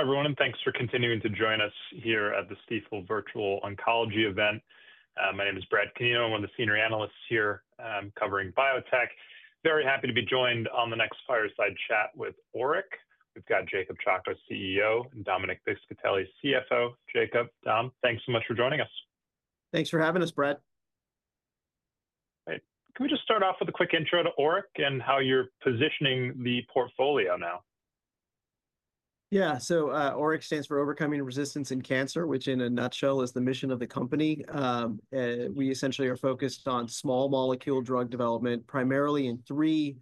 Hi, everyone, and thanks for continuing to join us here at the Stifel Virtual Oncology event. My name is Brad Pineno. I'm one of the senior analysts here covering biotech. Very happy to be joined on the Next Fireside Chat with ORIC. We've got Jacob Chacko, CEO, and Dominic Piscitelli, CFO. Jacob, Dom, thanks so much for joining us. Thanks for having us, Brad. Great. Can we just start off with a quick intro to ORIC and how you're positioning the portfolio now? Yeah, so ORIC stands for Overcoming Resistance in Cancer, which in a nutshell is the mission of the company. We essentially are focused on small molecule drug development, primarily in three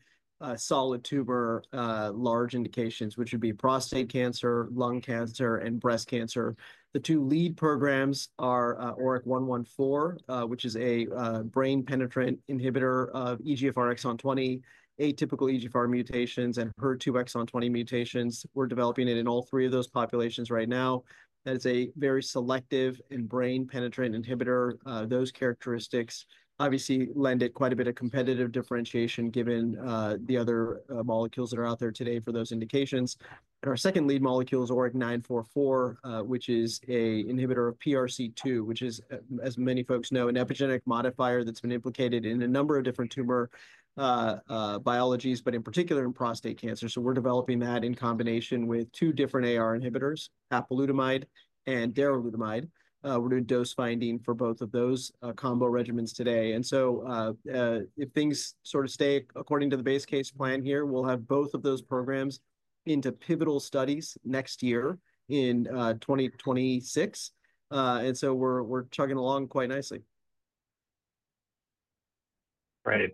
solid tumor large indications, which would be prostate cancer, lung cancer, and breast cancer. The two lead programs are ORIC-114, which is a brain penetrant inhibitor of EGFR exon 20, atypical EGFR mutations, and HER2 exon 20 mutations. We're developing it in all three of those populations right now. That is a very selective and brain penetrant inhibitor. Those characteristics obviously lend it quite a bit of competitive differentiation given the other molecules that are out there today for those indications. Our second lead molecule is ORIC-944, which is an inhibitor of PRC2, which is, as many folks know, an epigenetic modifier that's been implicated in a number of different tumor biologies, but in particular in prostate cancer. We're developing that in combination with two different AR inhibitors, apalutamide and darolutamide. We're doing dose finding for both of those combo regimens today. If things sort of stay according to the base case plan here, we'll have both of those programs into pivotal studies next year in 2026. We're chugging along quite nicely. Right.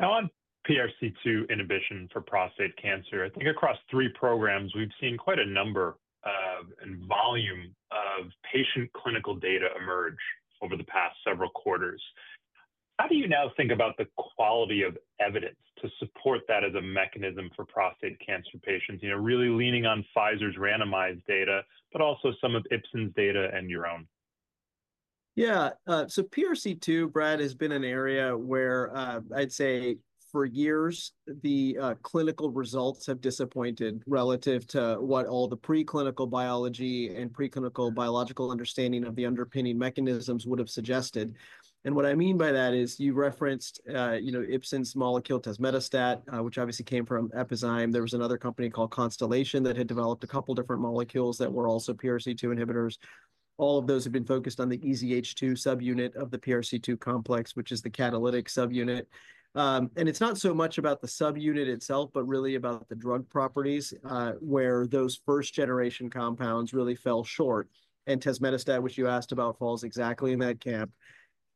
Now, on PRC2 inhibition for prostate cancer, I think across three programs, we've seen quite a number of and volume of patient clinical data emerge over the past several quarters. How do you now think about the quality of evidence to support that as a mechanism for prostate cancer patients, you know, really leaning on Pfizer's randomized data, but also some of Epizyme's data and your own? Yeah, so PRC2, Brad, has been an area where I'd say for years, the clinical results have disappointed relative to what all the preclinical biology and preclinical biological understanding of the underpinning mechanisms would have suggested. What I mean by that is you referenced, you know, Epizyme's molecule tazemetostat, which obviously came from Epizyme. There was another company called Constellation that had developed a couple of different molecules that were also PRC2 inhibitors. All of those have been focused on the EZH2 subunit of the PRC2 complex, which is the catalytic subunit. It's not so much about the subunit itself, but really about the drug properties where those first-generation compounds really fell short. Tazemetostat, which you asked about, falls exactly in that camp.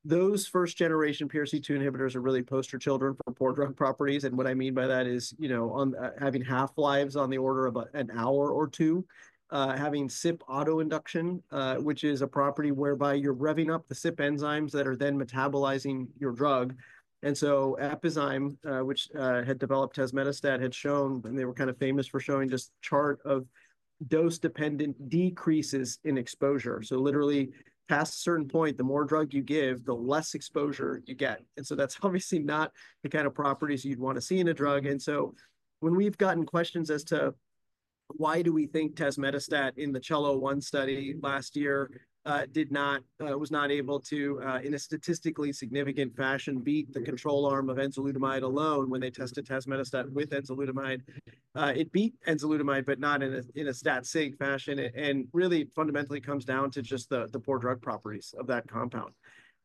Those first-generation PRC2 inhibitors are really poster children for poor drug properties. What I mean by that is, you know, having half-lives on the order of an hour or two, having CYP autoinduction, which is a property whereby you're revving up the CYP enzymes that are then metabolizing your drug. Epizyme, which had developed tazemetostat, had shown, and they were kind of famous for showing just chart of dose-dependent decreases in exposure. Literally, past a certain point, the more drug you give, the less exposure you get. That's obviously not the kind of properties you'd want to see in a drug. When we've gotten questions as to why do we think tazemetostat in the CHELLO-1 study last year did not, was not able to, in a statistically significant fashion, beat the control arm of enzalutamide alone when they tested tazemetostat with enzalutamide. It beat enzalutamide, but not in a stat-sync fashion. Really, fundamentally, it comes down to just the poor drug properties of that compound.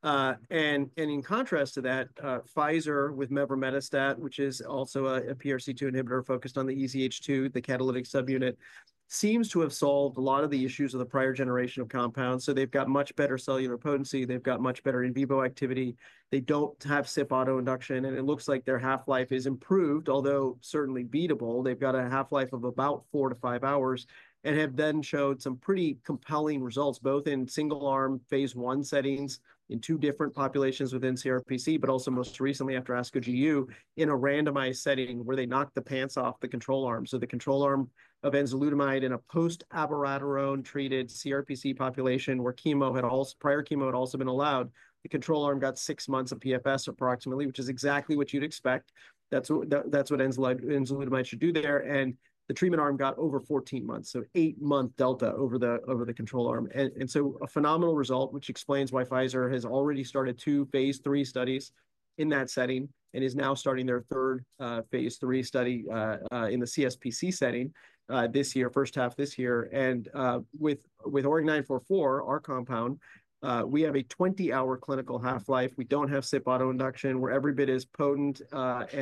In contrast to that, Pfizer with mevremetastat, which is also a PRC2 inhibitor focused on the EZH2, the catalytic subunit, seems to have solved a lot of the issues of the prior generation of compounds. They have much better cellular potency. They have much better in vivo activity. They do not have CYP autoinduction. It looks like their half-life is improved, although certainly beatable. They have a half-life of about four to five hours and have then showed some pretty compelling results, both in single-arm phase one settings in two different populations within CRPC, but also most recently after ASCO-GU in a randomized setting where they knocked the pants off the control arm. The control arm of enzalutamide in a post-abiraterone-treated CRPC population where chemo had also, prior chemo had also been allowed, the control arm got six months of PFS approximately, which is exactly what you'd expect. That's what enzalutamide should do there. The treatment arm got over 14 months, so eight-month delta over the control arm. A phenomenal result, which explains why Pfizer has already started two phase three studies in that setting and is now starting their third phase three study in the CSPC setting this year, first half this year. With ORIC-944, our compound, we have a 20-hour clinical half-life. We don't have CYP autoinduction. We're every bit as potent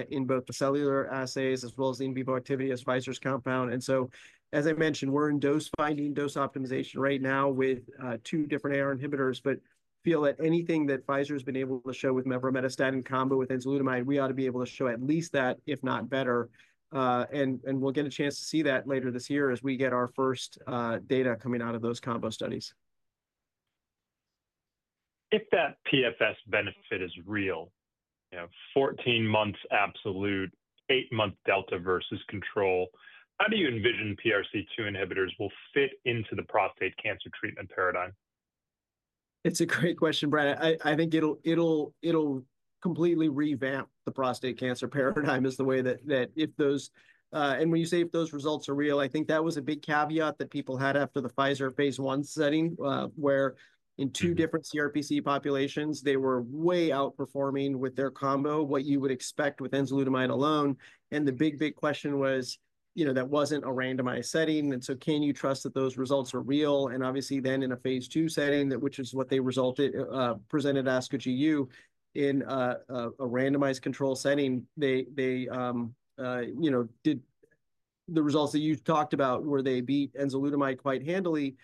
in both the cellular assays as well as the in vivo activity as Pfizer's compound. As I mentioned, we're in dose finding, dose optimization right now with two different AR inhibitors, but feel that anything that Pfizer has been able to show with mevremetastat in combo with enzalutamide, we ought to be able to show at least that, if not better. We'll get a chance to see that later this year as we get our first data coming out of those combo studies. If that PFS benefit is real, you know, 14 months absolute, eight-month delta versus control, how do you envision PRC2 inhibitors will fit into the prostate cancer treatment paradigm? It's a great question, Brad. I think it'll completely revamp the prostate cancer paradigm is the way that, if those, and when you say if those results are real, I think that was a big caveat that people had after the Pfizer phase one setting where in two different CRPC populations, they were way outperforming with their combo, what you would expect with enzalutamide alone. The big, big question was, you know, that wasn't a randomized setting. Can you trust that those results are real? Obviously then in a phase two setting, which is what they resulted, presented ASCO-GU in a randomized control setting, they, you know, did the results that you talked about, were they beat enzalutamide quite handily?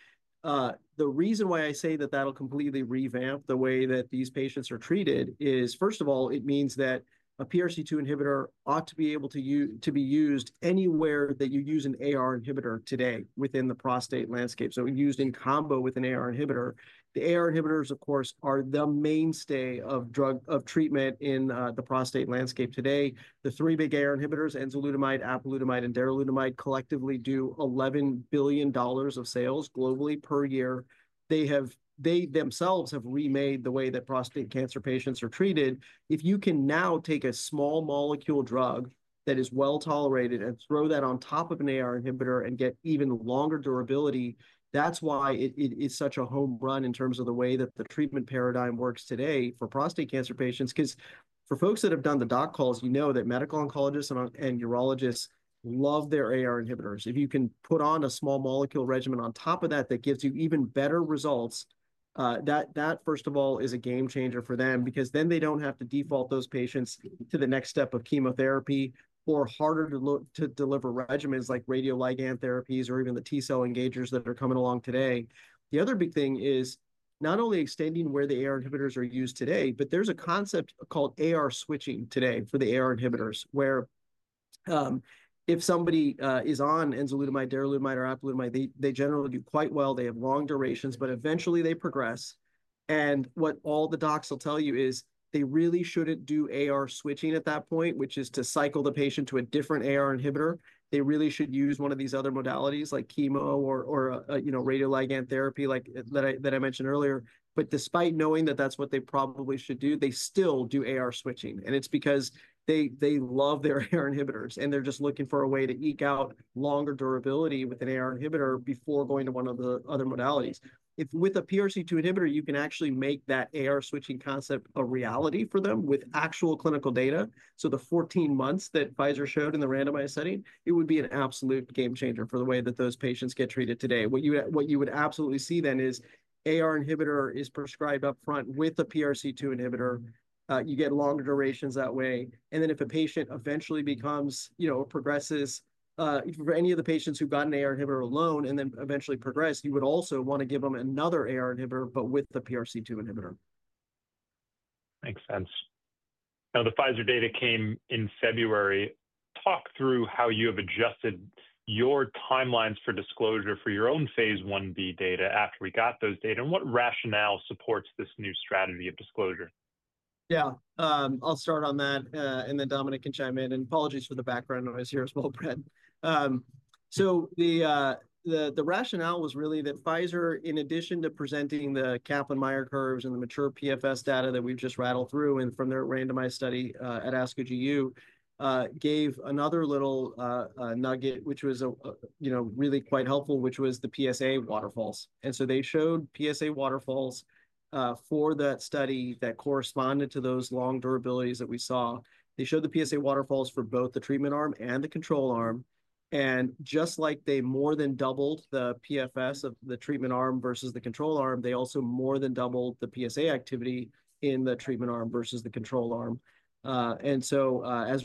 The reason why I say that that'll completely revamp the way that these patients are treated is, first of all, it means that a PRC2 inhibitor ought to be able to be used anywhere that you use an AR inhibitor today within the prostate landscape. Used in combo with an AR inhibitor. The AR inhibitors, of course, are the mainstay of drug of treatment in the prostate landscape today. The three big AR inhibitors, enzalutamide, apalutamide, and darolutamide, collectively do $11 billion of sales globally per year. They themselves have remade the way that prostate cancer patients are treated. If you can now take a small molecule drug that is well tolerated and throw that on top of an AR inhibitor and get even longer durability, that's why it is such a home run in terms of the way that the treatment paradigm works today for prostate cancer patients. Because for folks that have done the doc calls, you know that medical oncologists and urologists love their AR inhibitors. If you can put on a small molecule regimen on top of that that gives you even better results, that, first of all, is a game changer for them because then they do not have to default those patients to the next step of chemotherapy or harder to deliver regimens like radioligand therapies or even the T-cell engagers that are coming along today. The other big thing is not only extending where the AR inhibitors are used today, but there is a concept called AR switching today for the AR inhibitors where if somebody is on enzalutamide, darolutamide, or apalutamide, they generally do quite well. They have long durations, but eventually they progress. What all the docs will tell you is they really shouldn't do AR switching at that point, which is to cycle the patient to a different AR inhibitor. They really should use one of these other modalities like chemo or, you know, radioligand therapy like that I mentioned earlier. Despite knowing that that's what they probably should do, they still do AR switching. It's because they love their AR inhibitors and they're just looking for a way to eke out longer durability with an AR inhibitor before going to one of the other modalities. If with a PRC2 inhibitor, you can actually make that AR switching concept a reality for them with actual clinical data. The 14 months that Pfizer showed in the randomized setting, it would be an absolute game changer for the way that those patients get treated today. What you would absolutely see then is AR inhibitor is prescribed upfront with a PRC2 inhibitor. You get longer durations that way. If a patient eventually becomes, you know, progresses, for any of the patients who've gotten AR inhibitor alone and then eventually progressed, you would also want to give them another AR inhibitor, but with the PRC2 inhibitor. Makes sense. Now, the Pfizer data came in February. Talk through how you have adjusted your timelines for disclosure for your own phase one B data after we got those data. What rationale supports this new strategy of disclosure? Yeah, I'll start on that. Dominic can chime in. Apologies for the background noise here as well, Brad. The rationale was really that Pfizer, in addition to presenting the Kaplan-Meier curves and the mature PFS data that we've just rattled through from their randomized study at ASCO-GU, gave another little nugget, which was, you know, really quite helpful, which was the PSA waterfalls. They showed PSA waterfalls for that study that corresponded to those long durabilities that we saw. They showed the PSA waterfalls for both the treatment arm and the control arm. Just like they more than doubled the PFS of the treatment arm versus the control arm, they also more than doubled the PSA activity in the treatment arm versus the control arm. As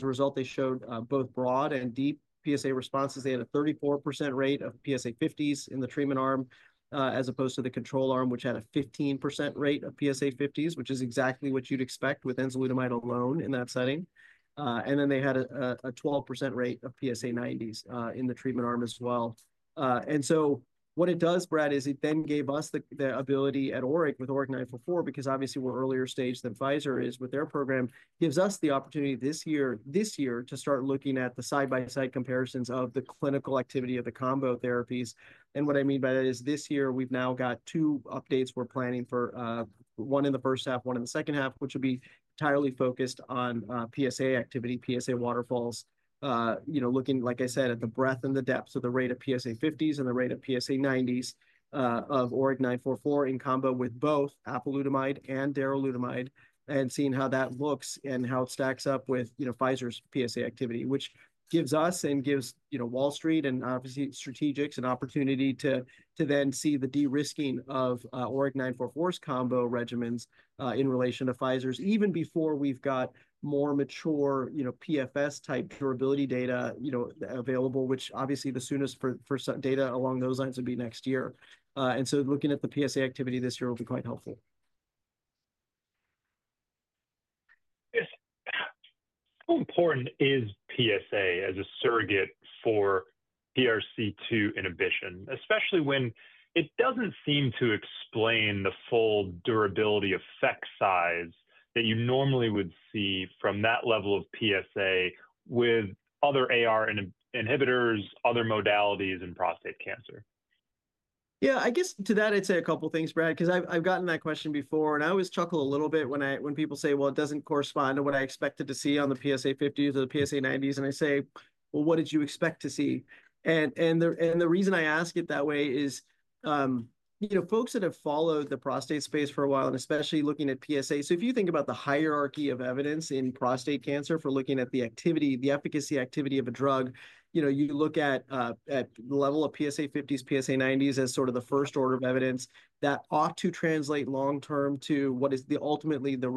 a result, they showed both broad and deep PSA responses. They had a 34% rate of PSA50s in the treatment arm as opposed to the control arm, which had a 15% rate of PSA50s, which is exactly what you'd expect with enzalutamide alone in that setting. They had a 12% rate of PSA90s in the treatment arm as well. What it does, Brad, is it then gave us the ability at ORIC with ORIC-944 because obviously we're earlier stage than Pfizer is with their program, gives us the opportunity this year to start looking at the side-by-side comparisons of the clinical activity of the combo therapies. What I mean by that is this year we've now got two updates we're planning for, one in the first half, one in the second half, which would be entirely focused on PSA activity, PSA waterfalls, you know, looking, like I said, at the breadth and the depth of the rate of PSA 50s and the rate of PSA 90s of ORIC-944 in combo with both apalutamide and darolutamide and seeing how that looks and how it stacks up with, you know, Pfizer's PSA activity, which gives us and gives, you know, Wall Street and obviously strategics an opportunity to then see the de-risking of ORIC-944's combo regimens in relation to Pfizer's even before we've got more mature, you know, PFS-type durability data, you know, available, which obviously the soonest for data along those lines would be next year. Looking at the PSA activity this year will be quite helpful. How important is PSA as a surrogate for PRC2 inhibition, especially when it doesn't seem to explain the full durability effect size that you normally would see from that level of PSA with other AR inhibitors, other modalities in prostate cancer? Yeah, I guess to that, I'd say a couple of things, Brad, because I've gotten that question before. I always chuckle a little bit when people say, well, it doesn't correspond to what I expected to see on the PSA 50s or the PSA 90s. I say, what did you expect to see? The reason I ask it that way is, you know, folks that have followed the prostate space for a while and especially looking at PSA, so if you think about the hierarchy of evidence in prostate cancer for looking at the activity, the efficacy activity of a drug, you know, you look at the level of PSA 50s, PSA 90s as sort of the first order of evidence that ought to translate long-term to what is ultimately the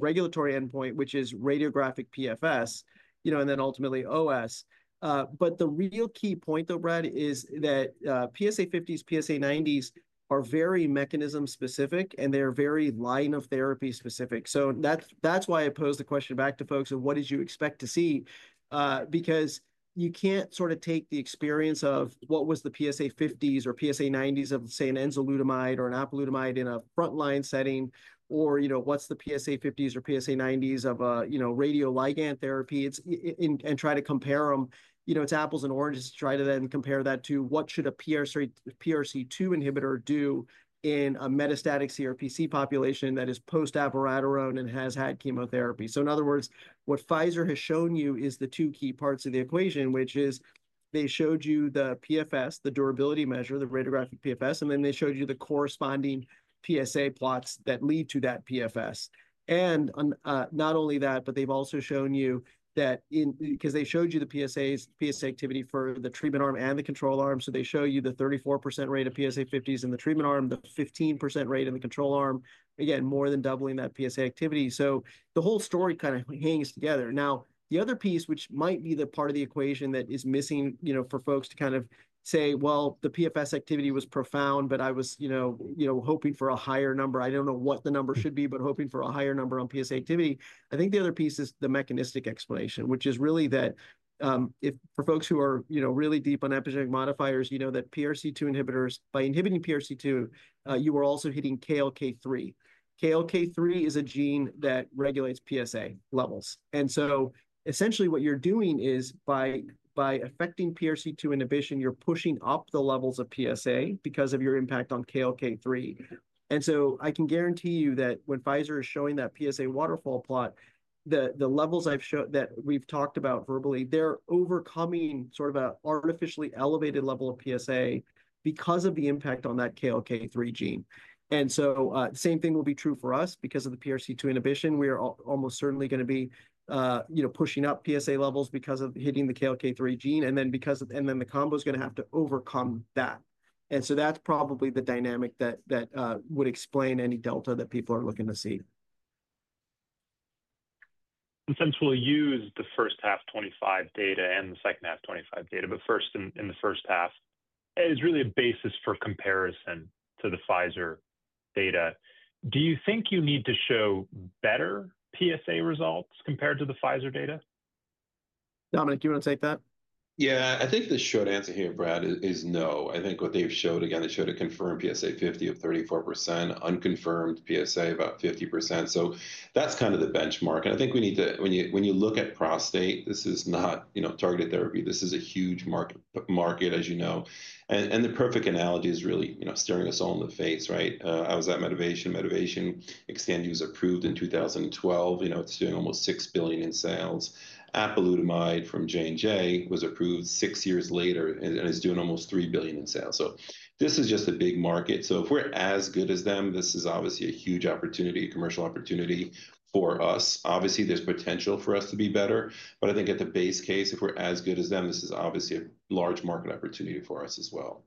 regulatory endpoint, which is radiographic PFS, you know, and then ultimately OS. The real key point though, Brad, is that PSA 50s, PSA 90s are very mechanism-specific and they're very line of therapy specific. That's why I pose the question back to folks of what did you expect to see? Because you can't sort of take the experience of what was the PSA 50s or PSA 90s of, say, an enzalutamide or an apalutamide in a frontline setting or, you know, what's the PSA 50s or PSA 90s of a, you know, radioligand therapy and try to compare them, you know, it's apples and oranges to try to then compare that to what should a PRC2 inhibitor do in a metastatic CRPC population that is post-abiraterone and has had chemotherapy. In other words, what Pfizer has shown you is the two key parts of the equation, which is they showed you the PFS, the durability measure, the radiographic PFS, and then they showed you the corresponding PSA plots that lead to that PFS. Not only that, but they've also shown you that in, because they showed you the PSA activity for the treatment arm and the control arm. They show you the 34% rate of PSA 50s in the treatment arm, the 15% rate in the control arm, again, more than doubling that PSA activity. The whole story kind of hangs together. Now, the other piece, which might be the part of the equation that is missing, you know, for folks to kind of say, you know, the PFS activity was profound, but I was, you know, hoping for a higher number. I don't know what the number should be, but hoping for a higher number on PSA activity. I think the other piece is the mechanistic explanation, which is really that if for folks who are, you know, really deep on epigenetic modifiers, you know that PRC2 inhibitors, by inhibiting PRC2, you are also hitting KLK3. KLK3 is a gene that regulates PSA levels. Essentially what you're doing is by affecting PRC2 inhibition, you're pushing up the levels of PSA because of your impact on KLK3. I can guarantee you that when Pfizer is showing that PSA waterfall plot, the levels I've shown that we've talked about verbally, they're overcoming sort of an artificially elevated level of PSA because of the impact on that KLK3 gene. The same thing will be true for us because of the PRC2 inhibition. We are almost certainly going to be, you know, pushing up PSA levels because of hitting the KLK3 gene, and then the combo is going to have to overcome that. That is probably the dynamic that would explain any delta that people are looking to see. Since we'll use the first half 25 data and the second half 25 data, but first in the first half, it's really a basis for comparison to the Pfizer data. Do you think you need to show better PSA results compared to the Pfizer data? Dominic, do you want to take that? Yeah, I think the short answer here, Brad, is no. I think what they've showed, again, they showed a confirmed PSA50 of 34%, unconfirmed PSA about 50%. That's kind of the benchmark. I think we need to, when you look at prostate, this is not, you know, targeted therapy. This is a huge market, as you know. The perfect analogy is really, you know, staring us all in the face, right? I was at Medivation. Medivation Xtandi was approved in 2012. It's doing almost $6 billion in sales. Apalutamide from J&J was approved six years later and is doing almost $3 billion in sales. This is just a big market. If we're as good as them, this is obviously a huge opportunity, commercial opportunity for us. Obviously, there's potential for us to be better. I think at the base case, if we're as good as them, this is obviously a large market opportunity for us as well.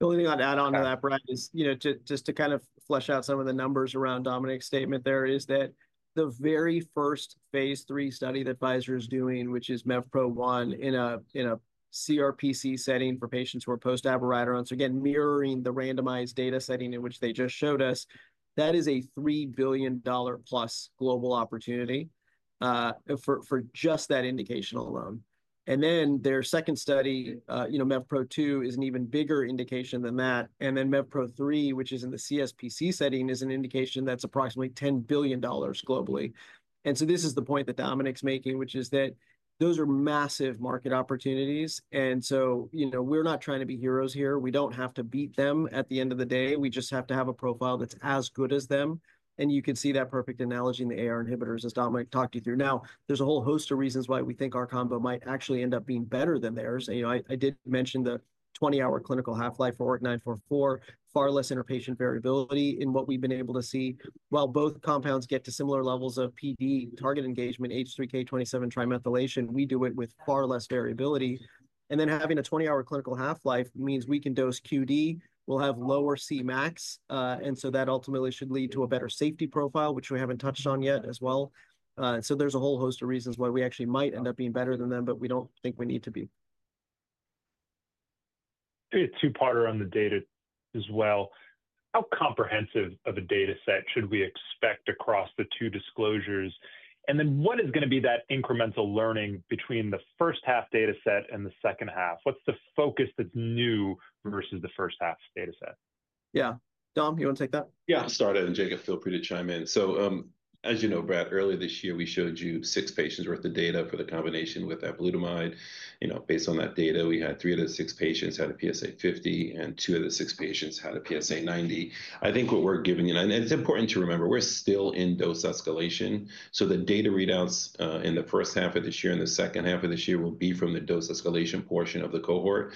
The only thing I'd add on to that, Brad, is, you know, just to kind of flesh out some of the numbers around Dominic's statement there is that the very first phase three study that Pfizer is doing, which is MEVPRO-1 in a CRPC setting for patients who are post-abiraterone, so again, mirroring the randomized data setting in which they just showed us, that is a $3 billion-plus global opportunity for just that indication alone. Then their second study, you know, MEVPRO-2 is an even bigger indication than that. MEV-Pro3, which is in the CSPC setting, is an indication that's approximately $10 billion globally. This is the point that Dominic's making, which is that those are massive market opportunities. You know, we're not trying to be heroes here. We don't have to beat them at the end of the day. We just have to have a profile that's as good as them. You can see that perfect analogy in the AR inhibitors as Dominic talked you through. Now, there's a whole host of reasons why we think our combo might actually end up being better than theirs. You know, I did mention the 20-hour clinical half-life for ORIC-944, far less interpatient variability in what we've been able to see. While both compounds get to similar levels of PD, target engagement, H3K27 trimethylation, we do it with far less variability. Having a 20-hour clinical half-life means we can dose QD, we'll have lower Cmax. That ultimately should lead to a better safety profile, which we haven't touched on yet as well. There is a whole host of reasons why we actually might end up being better than them, but we do not think we need to be. Two-parter on the data as well. How comprehensive of a data set should we expect across the two disclosures? What is going to be that incremental learning between the first half data set and the second half? What's the focus that's new versus the first half data set? Yeah, Dom, you want to take that? Yeah, I'll start it and Jacob, feel free to chime in. As you know, Brad, earlier this year, we showed you six patients' worth of data for the combination with apalutamide. You know, based on that data, we had three out of six patients had a PSA 50 and two out of six patients had a PSA 90. I think what we're giving, and it's important to remember, we're still in dose escalation. The data readouts in the first half of this year and the second half of this year will be from the dose escalation portion of the cohort.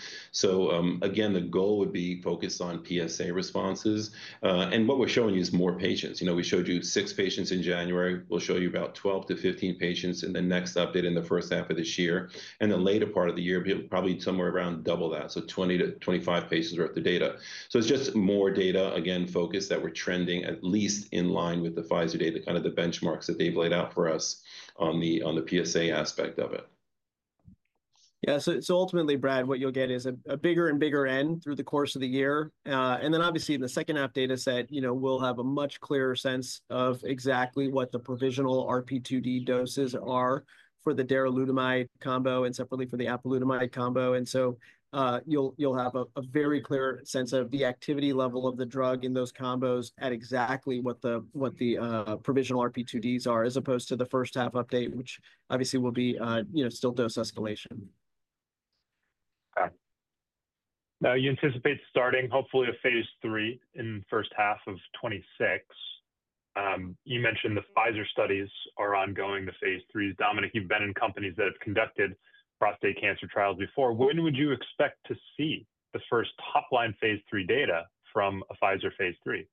The goal would be focused on PSA responses. What we're showing you is more patients. You know, we showed you six patients in January. We'll show you about 12-15 patients in the next update in the first half of this year. The later part of the year, probably somewhere around double that. Twenty to twenty-five patients' worth of data. It is just more data, again, focused that we are trending at least in line with the Pfizer data, kind of the benchmarks that they have laid out for us on the PSA aspect of it. Yeah, so ultimately, Brad, what you'll get is a bigger and bigger end through the course of the year. Then obviously in the second half data set, you know, we'll have a much clearer sense of exactly what the provisional RP2D doses are for the darolutamide combo and separately for the apalutamide combo. You’ll have a very clear sense of the activity level of the drug in those combos at exactly what the provisional RP2Ds are as opposed to the first half update, which obviously will be, you know, still dose escalation. Now, you anticipate starting hopefully a phase three in the first half of 2026. You mentioned the Pfizer studies are ongoing, the phase threes. Dominic, you've been in companies that have conducted prostate cancer trials before. When would you expect to see the first top-line phase three data from a Pfizer phase three?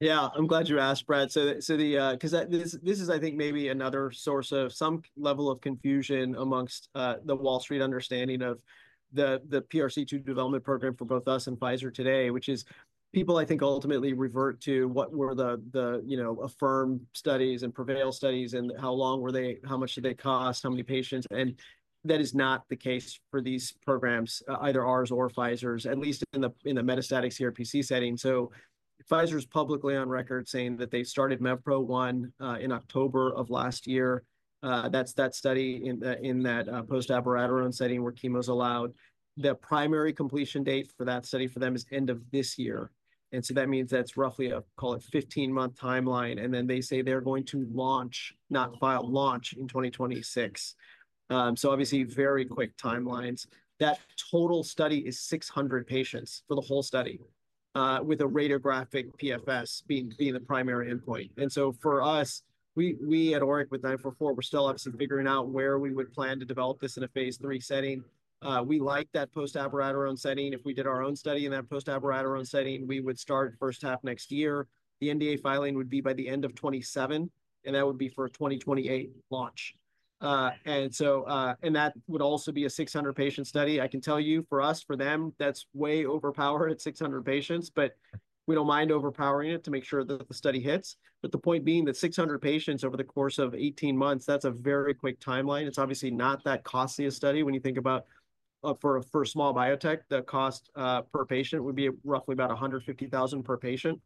Yeah, I'm glad you asked, Brad. The, because this is, I think, maybe another source of some level of confusion amongst the Wall Street understanding of the PRC2 development program for both us and Pfizer today, which is people, I think, ultimately revert to what were the, you know, AFFIRM studies and PREVAIL studies and how long were they, how much did they cost, how many patients. That is not the case for these programs, either ours or Pfizer's, at least in the metastatic CRPC setting. Pfizer's publicly on record saying that they started MEV-Pro1 in October of last year. That's that study in that post-abiraterone setting where chemo's allowed. The primary completion date for that study for them is end of this year. That means that's roughly a, call it 15-month timeline. They say they're going to launch, not file, launch in 2026. Obviously very quick timelines. That total study is 600 patients for the whole study with a radiographic PFS being the primary endpoint. For us, we at ORIC with 944, we're still obviously figuring out where we would plan to develop this in a phase three setting. We like that post-abiraterone setting. If we did our own study in that post-abiraterone setting, we would start first half next year. The NDA filing would be by the end of 2027, and that would be for a 2028 launch. That would also be a 600-patient study. I can tell you for us, for them, that's way overpowered at 600 patients, but we do not mind overpowering it to make sure that the study hits. The point being that 600 patients over the course of 18 months, that's a very quick timeline. It's obviously not that costly a study when you think about for a small biotech, the cost per patient would be roughly about $150,000 per patient.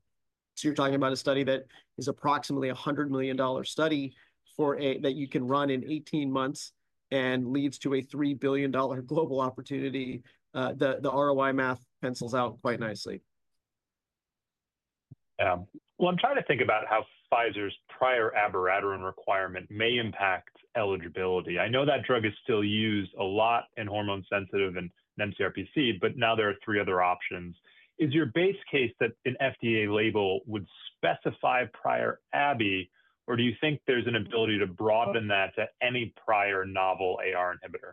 You're talking about a study that is approximately a $100 million study that you can run in 18 months and leads to a $3 billion global opportunity. The ROI math pencils out quite nicely. Yeah. I'm trying to think about how Pfizer's prior abiraterone requirement may impact eligibility. I know that drug is still used a lot in hormone-sensitive and mCRPC, but now there are three other options. Is your base case that an FDA label would specify prior Abby, or do you think there's an ability to broaden that to any prior novel AR inhibitor?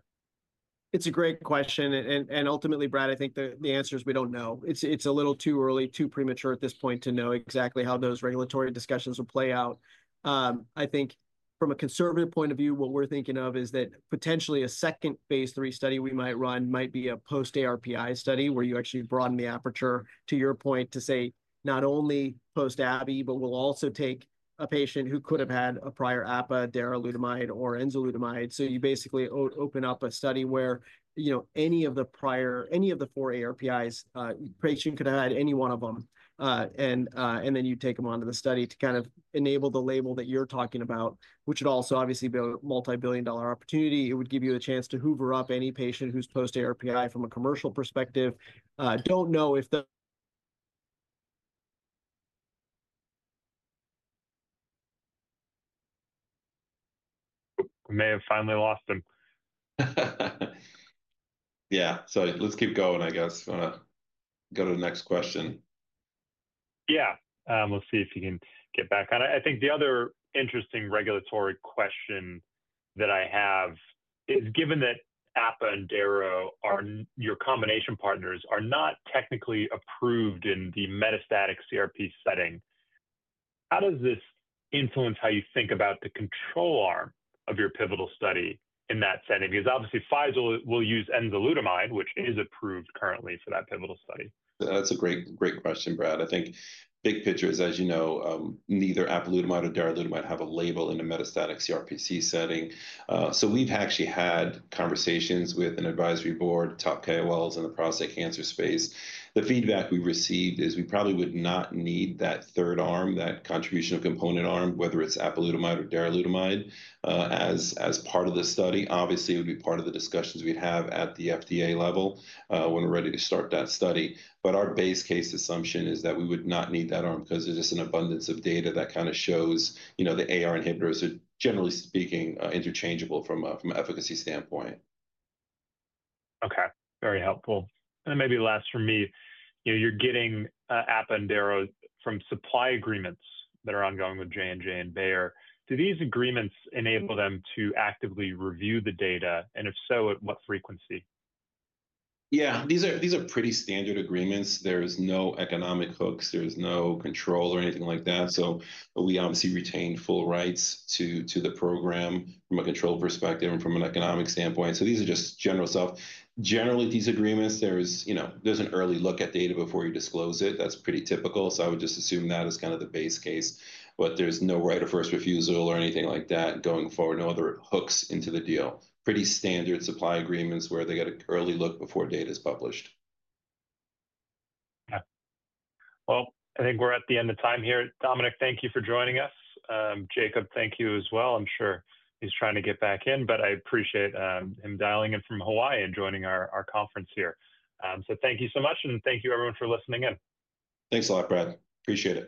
It's a great question. Ultimately, Brad, I think the answer is we don't know. It's a little too early, too premature at this point to know exactly how those regulatory discussions will play out. I think from a conservative point of view, what we're thinking of is that potentially a second phase three study we might run might be a post-ARPI study where you actually broaden the aperture to your point to say not only post-Abby, but we'll also take a patient who could have had a prior APA, darolutamide, or enzalutamide. You basically open up a study where, you know, any of the prior, any of the four ARPIs, a patient could have had any one of them, and then you take them onto the study to kind of enable the label that you're talking about, which would also obviously be a multi-billion dollar opportunity. It would give you a chance to hoover up any patient who's post-ARPI from a commercial perspective. Don't know if the. We may have finally lost him. Yeah, sorry, let's keep going, I guess. Go to the next question. Yeah, we'll see if you can get back on it. I think the other interesting regulatory question that I have is given that APA and DARO are your combination partners are not technically approved in the metastatic CRPC setting. How does this influence how you think about the control arm of your pivotal study in that setting? Because obviously Pfizer will use enzalutamide, which is approved currently for that pivotal study. That's a great, great question, Brad. I think big picture is, as you know, neither apalutamide or darolutamide have a label in a metastatic CRPC setting. We have actually had conversations with an advisory board, top KOLs in the prostate cancer space. The feedback we received is we probably would not need that third arm, that contributional component arm, whether it's apalutamide or darolutamide as part of the study. Obviously, it would be part of the discussions we'd have at the FDA level when we're ready to start that study. Our base case assumption is that we would not need that arm because there's just an abundance of data that kind of shows, you know, the AR inhibitors are generally speaking interchangeable from an efficacy standpoint. Okay, very helpful. Maybe last for me, you know, you're getting APA and DARO from supply agreements that are ongoing with J&J and Bayer. Do these agreements enable them to actively review the data? If so, at what frequency? Yeah, these are pretty standard agreements. There's no economic hooks. There's no control or anything like that. We obviously retain full rights to the program from a control perspective and from an economic standpoint. These are just general stuff. Generally, these agreements, there's, you know, there's an early look at data before you disclose it. That's pretty typical. I would just assume that is kind of the base case. There's no right of first refusal or anything like that going forward, no other hooks into the deal. Pretty standard supply agreements where they get an early look before data is published. Okay. I think we're at the end of time here. Dominic, thank you for joining us. Jacob, thank you as well. I'm sure he's trying to get back in, but I appreciate him dialing in from Hawaii and joining our conference here. Thank you so much. Thank you everyone for listening in. Thanks a lot, Brad. Appreciate it.